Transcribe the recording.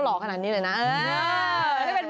เออเขาผมเข้ม